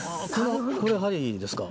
これ針ですか？